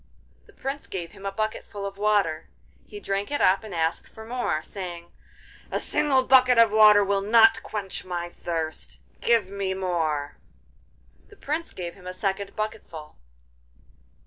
The Prince gave him a bucketful of water; he drank it up and asked for more, saying: 'A single bucket of water will not quench my thirst; give me more!' The Prince gave him a second bucketful.